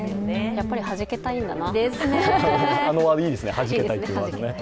やっぱりはじけたいんだな。